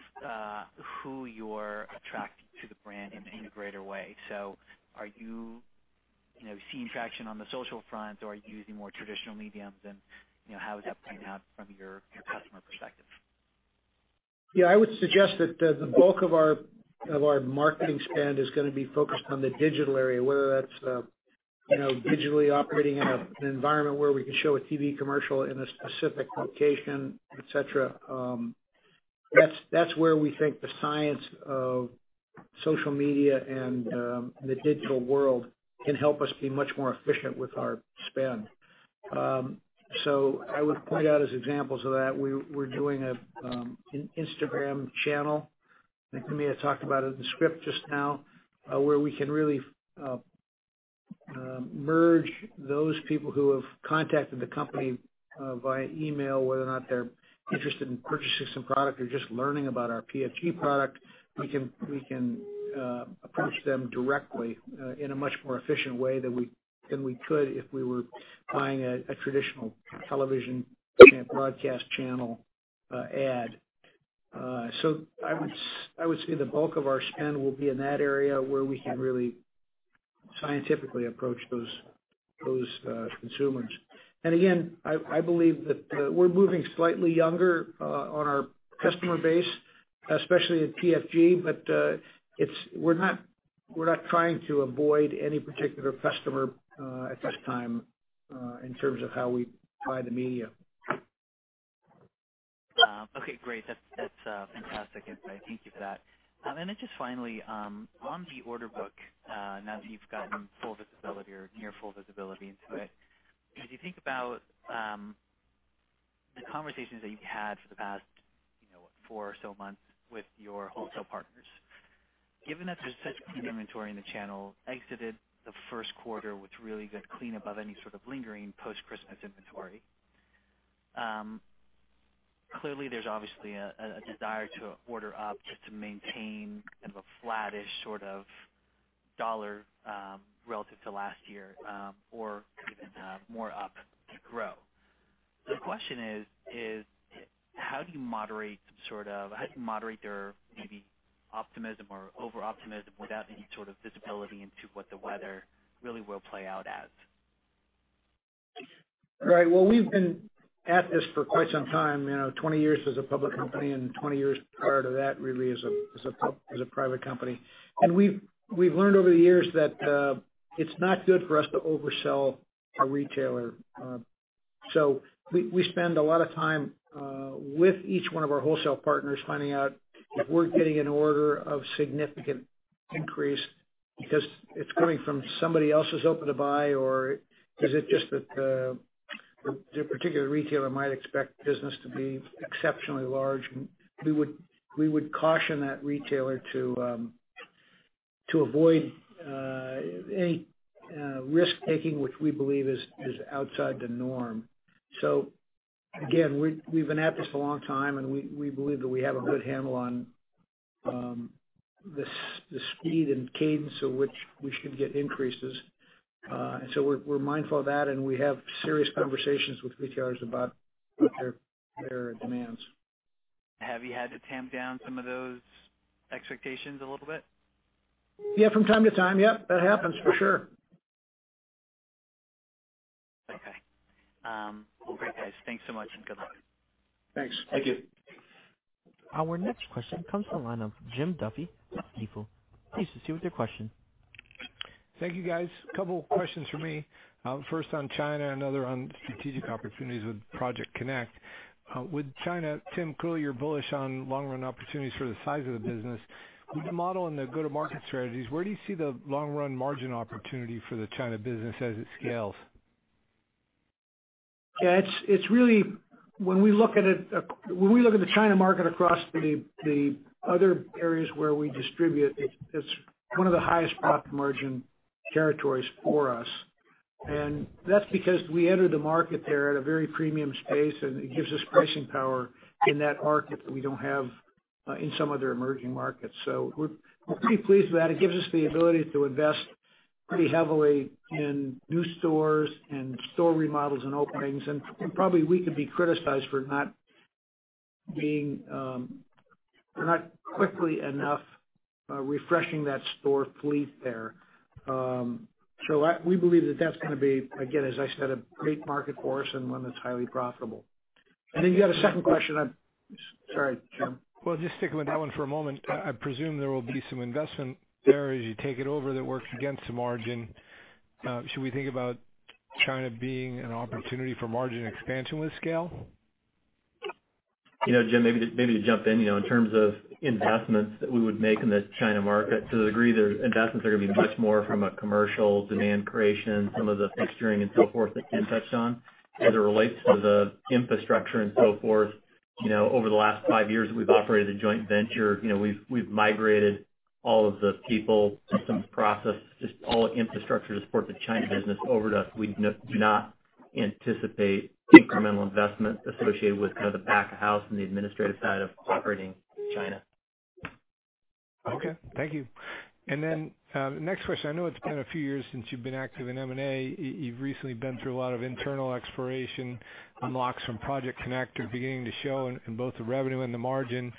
Speaker 11: who you're attracting to the brand in a greater way. Are you seeing traction on the social front, or are you using more traditional mediums, and how is that playing out from your customer perspective?
Speaker 3: Yeah, I would suggest that the bulk of our marketing spend is going to be focused on the digital area, whether that's digitally operating in an environment where we can show a TV commercial in a specific location, et cetera. That's where we think the science of social media and the digital world can help us be much more efficient with our spend. I would point out as examples of that, we're doing an Instagram channel. I think Amelia talked about it in the script just now, where we can really merge those people who have contacted the company via email, whether or not they're interested in purchasing some product or just learning about our PFG product. We can approach them directly in a much more efficient way than we could if we were buying a traditional television broadcast channel ad. I would say the bulk of our spend will be in that area where we can really scientifically approach those consumers. Again, I believe that we're moving slightly younger on our customer base, especially at PFG, but we're not trying to avoid any particular customer at this time in terms of how we buy the media.
Speaker 11: Okay, great. That's fantastic insight. Thank you for that. Then just finally, on the order book, now that you've gotten full visibility or near full visibility into it, as you think about the conversations that you've had for the past four or so months with your wholesale partners, given that there's such clean inventory in the channel, exited the first quarter with really good clean above any sort of lingering post-Christmas inventory. Clearly, there's obviously a desire to order up just to maintain kind of a flattish sort of dollar relative to last year or even more up to grow. The question is, how do you moderate their maybe optimism or over-optimism without any sort of visibility into what the weather really will play out as?
Speaker 3: Well, we've been at this for quite some time, 20 years as a public company and 20 years prior to that really as a private company. We've learned over the years that it's not good for us to oversell a retailer. We spend a lot of time with each one of our wholesale partners finding out if we're getting an order of significant increase, because it's coming from somebody else who's open to buy, or is it just that the particular retailer might expect business to be exceptionally large. We would caution that retailer to avoid any risk-taking which we believe is outside the norm. Again, we've been at this a long time, and we believe that we have a good handle on the speed and cadence at which we should get increases. We're mindful of that, and we have serious conversations with retailers about their demands.
Speaker 11: Have you had to tamp down some of those expectations a little bit?
Speaker 3: Yeah, from time to time. Yep, that happens for sure.
Speaker 11: Okay. Well, great guys. Thanks so much and good luck.
Speaker 3: Thanks.
Speaker 5: Thank you.
Speaker 1: Our next question comes from the line of Jim Duffy, Stifel. Please proceed with your question.
Speaker 12: Thank you, guys. Couple questions from me. First on China, another on strategic opportunities with Project CONNECT. With China, Tim, clearly, you're bullish on long-run opportunities for the size of the business. With the model and the go-to-market strategies, where do you see the long-run margin opportunity for the China business as it scales?
Speaker 3: Yeah. When we look at the China market across the other areas where we distribute, it's one of the highest profit margin territories for us. That's because we entered the market there at a very premium space, and it gives us pricing power in that market that we don't have in some other emerging markets. We're pretty pleased with that. It gives us the ability to invest pretty heavily in new stores and store remodels and openings. Probably we could be criticized for not quickly enough refreshing that store fleet there. We believe that that's going to be, again, as I said, a great market for us and one that's highly profitable. You had a second question. I'm sorry, Jim.
Speaker 12: Well, just sticking with that one for a moment. I presume there will be some investment there as you take it over that works against the margin. Should we think about China being an opportunity for margin expansion with scale?
Speaker 5: Jim, maybe to jump in terms of investments that we would make in the China market to the degree that investments are going to be much more from a commercial demand creation, some of the fixturing and so forth that Ken touched on. As it relates to the infrastructure and so forth, over the last five years that we've operated a joint venture, we've migrated all of the people, systems, process, just all infrastructure to support the China business over to us. We do not anticipate incremental investment associated with the back of house and the administrative side of operating China.
Speaker 12: Okay. Thank you. Next question. I know it's been a few years since you've been active in M&A. You've recently been through a lot of internal exploration, unlocks from Project CONNECT are beginning to show in both the revenue and the margin.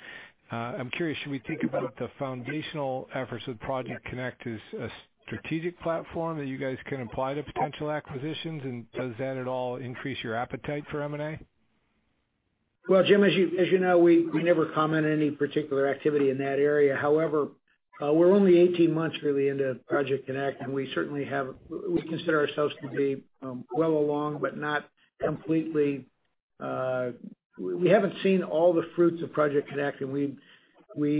Speaker 12: I'm curious, should we think about the foundational efforts with Project CONNECT as a strategic platform that you guys can apply to potential acquisitions? Does that at all increase your appetite for M&A?
Speaker 3: Well, Jim, as you know, we never comment any particular activity in that area. However, we're only 18 months really into Project CONNECT, and we certainly consider ourselves to be well along but not completely. We haven't seen all the fruits of Project CONNECT, and we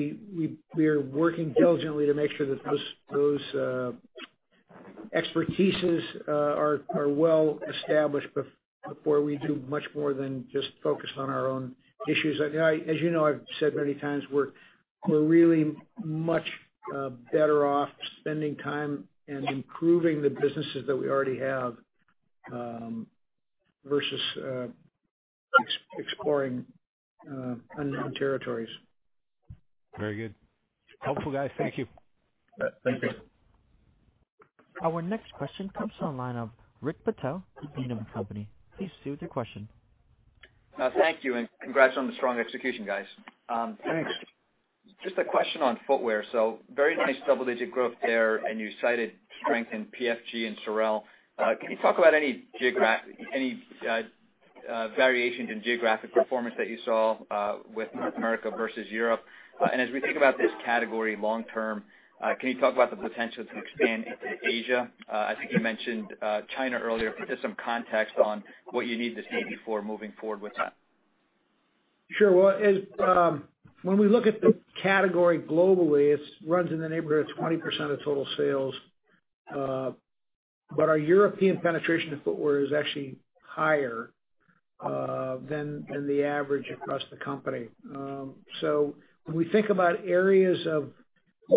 Speaker 3: are working diligently to make sure that those expertises are well established before we do much more than just focus on our own issues. As you know, I've said many times, we're really much better off spending time and improving the businesses that we already have, versus exploring unknown territories.
Speaker 12: Very good. Helpful, guys. Thank you.
Speaker 3: Thank you.
Speaker 1: Our next question comes on the line of Rick Patel with Needham & Company. Please proceed with your question.
Speaker 13: Thank you, and congrats on the strong execution, guys.
Speaker 3: Thanks.
Speaker 13: Just a question on footwear. Very nice double-digit growth there, and you cited strength in PFG and SOREL. Can you talk about any variations in geographic performance that you saw with North America versus Europe? As we think about this category long term, can you talk about the potential to expand into Asia? I think you mentioned China earlier, but just some context on what you need to see before moving forward with that.
Speaker 3: Sure. Well, when we look at the category globally, it runs in the neighborhood of 20% of total sales. Our European penetration in footwear is actually higher than the average across the company. When we think about areas of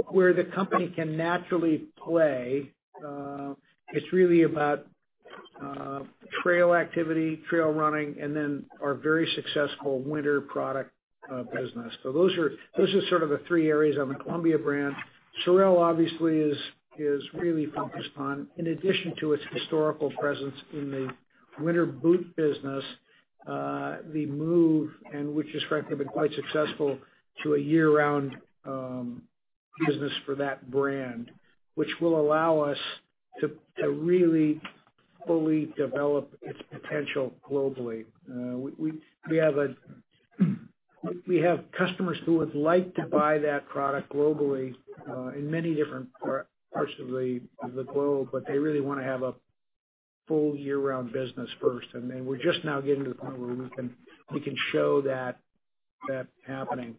Speaker 3: where the company can naturally play, it's really about trail activity, trail running, and then our very successful winter product business. Those are sort of the three areas on the Columbia brand. SOREL obviously is really focused on, in addition to its historical presence in the winter boot business, the move, and which has frankly been quite successful, to a year-round business for that brand, which will allow us to really fully develop its potential globally. We have customers who would like to buy that product globally in many different parts of the globe, but they really want to have a full year-round business first, we're just now getting to the point where we can show that happening.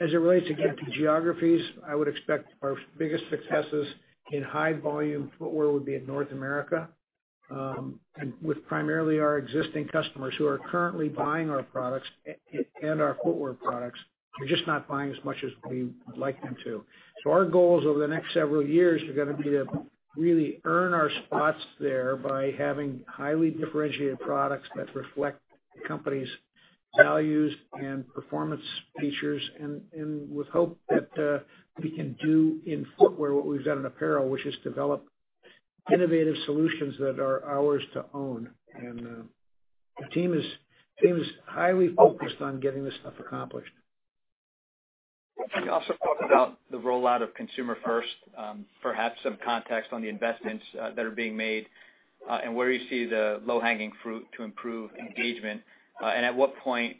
Speaker 3: As it relates, again, to geographies, I would expect our biggest successes in high volume footwear would be in North America, with primarily our existing customers who are currently buying our products and our footwear products. They're just not buying as much as we would like them to. Our goals over the next several years are going to be to really earn our spots there by having highly differentiated products that reflect the company's values and performance features, with hope that we can do in footwear what we've done in apparel, which is develop innovative solutions that are ours to own. The team is highly focused on getting this stuff accomplished.
Speaker 13: Can you also talk about the rollout of Consumer First, perhaps some context on the investments that are being made and where you see the low-hanging fruit to improve engagement? At what point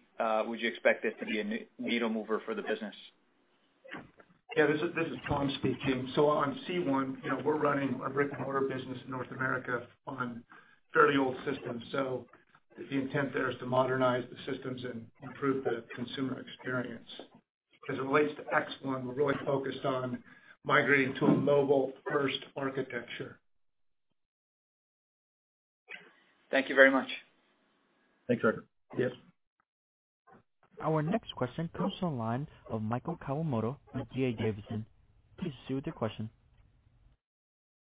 Speaker 13: would you expect it to be a needle mover for the business?
Speaker 14: Yeah. This is Tom speaking. On C1, we're running a brick-and-mortar business in North America on fairly old systems. The intent there is to modernize the systems and improve the consumer experience
Speaker 3: As it relates to X1, we're really focused on migrating to a mobile-first architecture.
Speaker 5: Thank you very much.
Speaker 3: Thanks, Rick.
Speaker 5: Yes.
Speaker 1: Our next question comes from the line of Michael Kawamoto with D.A. Davidson. Please proceed with your question.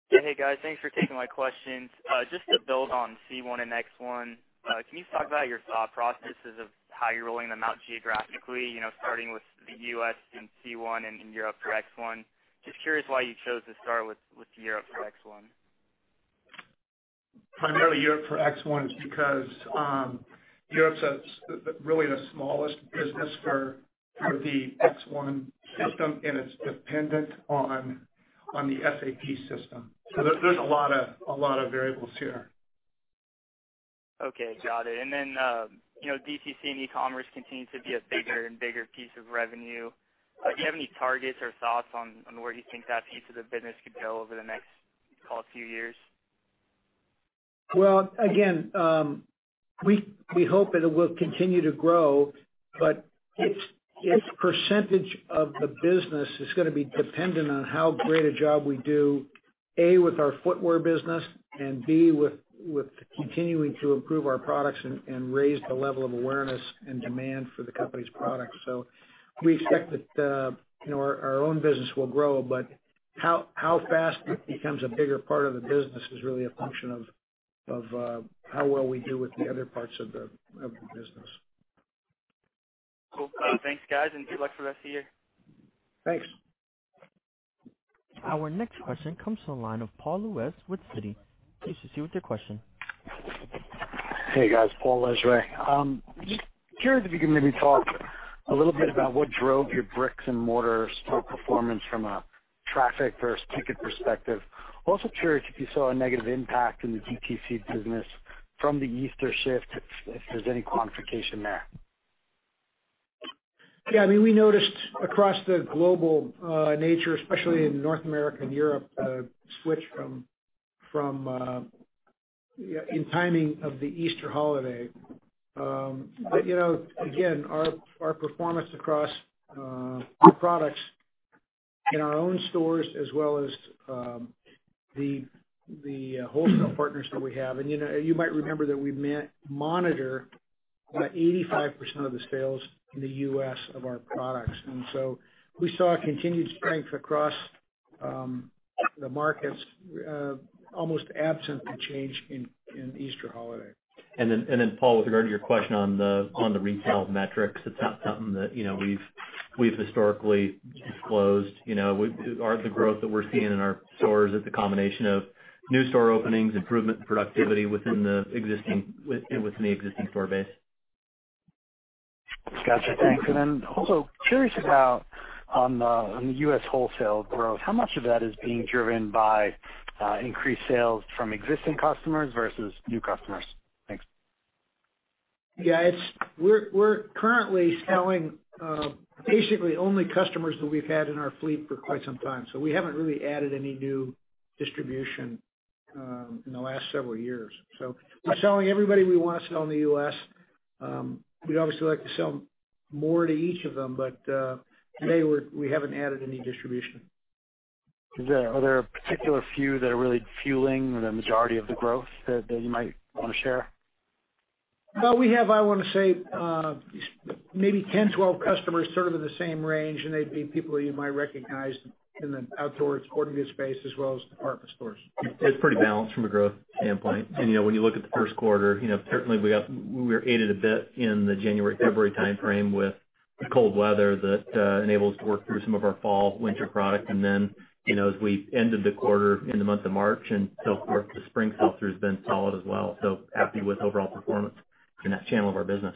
Speaker 15: Hey, guys. Thanks for taking my questions. Just to build on C1 and X1, can you talk about your thought processes of how you're rolling them out geographically, starting with the U.S. in C1 and in Europe for X1? Just curious why you chose to start with Europe for X1.
Speaker 3: Primarily Europe for X1 is because Europe's really the smallest business for the X1 system, and it's dependent on the SAP system. There's a lot of variables here.
Speaker 15: Okay, got it. DTC and e-commerce continue to be a bigger and bigger piece of revenue. Do you have any targets or thoughts on where you think that piece of the business could go over the next few years?
Speaker 3: Well, again, we hope that it will continue to grow, but its percentage of the business is going to be dependent on how great a job we do, A, with our footwear business, and B, with continuing to improve our products and raise the level of awareness and demand for the company's products. We expect that our own business will grow, but how fast it becomes a bigger part of the business is really a function of how well we do with the other parts of the business.
Speaker 15: Cool. Thanks, guys, and good luck for the rest of the year.
Speaker 3: Thanks.
Speaker 1: Our next question comes from the line of Paul Lejuez with Citi. Please proceed with your question.
Speaker 16: Hey, guys. Paul Lejuez. Just curious if you can maybe talk a little bit about what drove your bricks-and-mortar store performance from a traffic versus ticket perspective. Also curious if you saw a negative impact in the DTC business from the Easter shift, if there's any quantification there.
Speaker 3: Yeah. We noticed across the global nature, especially in North America and Europe, a switch in timing of the Easter holiday. Again, our performance across new products in our own stores as well as the wholesale partners that we have, and you might remember that we monitor about 85% of the sales in the U.S. of our products. We saw a continued strength across the markets, almost absent the change in Easter holiday.
Speaker 5: Paul, with regard to your question on the retail metrics, it's not something that we've historically disclosed. The growth that we're seeing in our stores is a combination of new store openings, improvement in productivity within the existing store base.
Speaker 16: Got you. Thanks. Also curious about on the U.S. wholesale growth, how much of that is being driven by increased sales from existing customers versus new customers? Thanks.
Speaker 3: Yeah. We're currently selling basically only customers that we've had in our fleet for quite some time. We haven't really added any new distribution in the last several years. We're selling everybody we want to sell in the U.S. We'd obviously like to sell more to each of them, to date, we haven't added any distribution.
Speaker 16: Are there a particular few that are really fueling the majority of the growth that you might want to share?
Speaker 3: Well, we have, I want to say, maybe 10, 12 customers sort of in the same range. They'd be people you might recognize in the outdoors/outdoor gear space, as well as department stores.
Speaker 5: It's pretty balanced from a growth standpoint. When you look at the first quarter, certainly we were aided a bit in the January, February timeframe with the cold weather that enabled us to work through some of our fall/winter product. As we ended the quarter in the month of March and so far the spring sell-through has been solid as well. Happy with the overall performance in that channel of our business.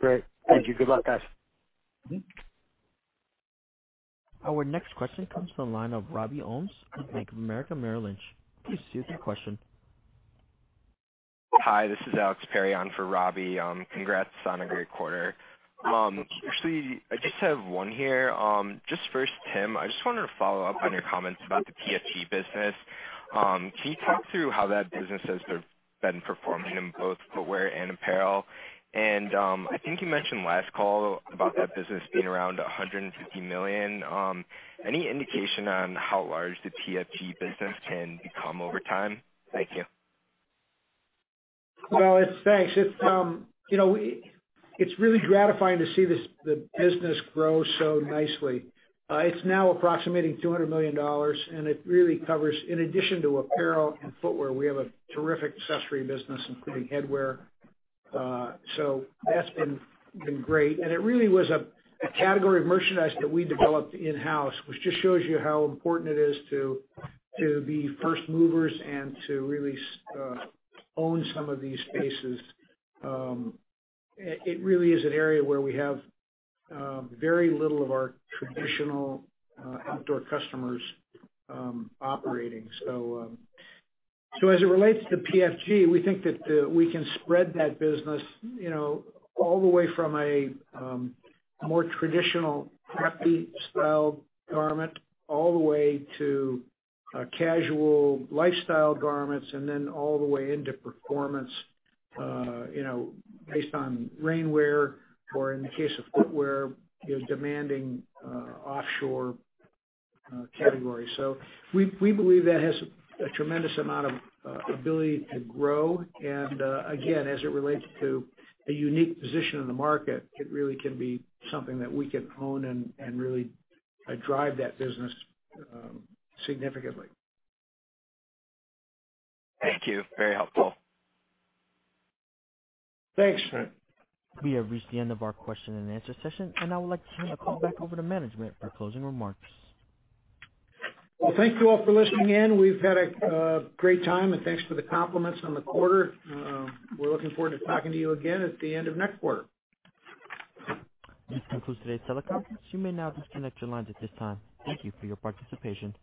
Speaker 16: Great. Thank you. Good luck, guys.
Speaker 1: Our next question comes from the line of Robbie Ohmes with Bank of America Merrill Lynch. Please proceed with your question.
Speaker 17: Hi, this is Alex Perry for Robbie. Congrats on a great quarter.
Speaker 3: Thank you.
Speaker 17: Actually, I just have one here. Just first, Tim, I just wanted to follow up on your comments about the PFG business. Can you talk through how that business has been performing in both footwear and apparel? I think you mentioned last call about that business being around $150 million. Any indication on how large the PFG business can become over time? Thank you.
Speaker 3: Well, thanks. It's really gratifying to see the business grow so nicely. It's now approximating $200 million. It really covers, in addition to apparel and footwear, we have a terrific accessory business, including headwear. That's been great. It really was a category of merchandise that we developed in-house, which just shows you how important it is to be first movers and to really own some of these spaces. It really is an area where we have very little of our traditional outdoor customers operating. As it relates to PFG, we think that we can spread that business all the way from a more traditional preppy style garment, all the way to casual lifestyle garments, and then all the way into performance based on rainwear or, in the case of footwear, demanding offshore categories. We believe that has a tremendous amount of ability to grow and again, as it relates to a unique position in the market, it really can be something that we can own and really drive that business significantly.
Speaker 17: Thank you. Very helpful.
Speaker 3: Thanks.
Speaker 1: We have reached the end of our question-and-answer session, and I would like to hand the call back over to management for closing remarks.
Speaker 3: Thank you all for listening in. We've had a great time, and thanks for the compliments on the quarter. We're looking forward to talking to you again at the end of next quarter.
Speaker 1: This concludes today's teleconference. You may now disconnect your lines at this time. Thank you for your participation.